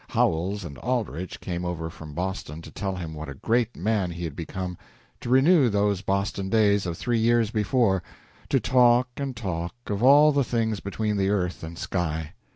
Howells and Aldrich came over from Boston to tell him what a great man he had become to renew those Boston days of three years before to talk and talk of all the things between the earth and sky.